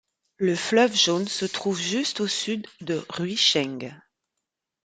Le fleuve jaune se trouve juste au sud de Ruicheng.